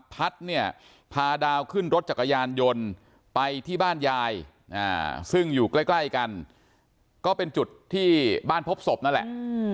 พัฒน์เนี่ยพาดาวขึ้นรถจักรยานยนต์ไปที่บ้านยายซึ่งอยู่ใกล้กันก็เป็นจุดที่บ้านพบศพนั่นแหละ